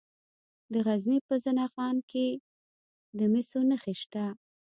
د غزني په زنه خان کې د مسو نښې شته.